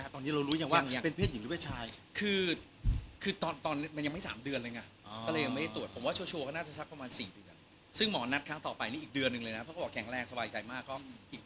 การพึ่งทางวิทยาศาสตร์อย่างนี้พอจะรู้เพศได้ไหมครับ